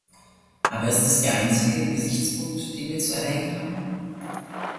Aber ist es der einzige Gesichtspunkt, den wir zu erwägen haben?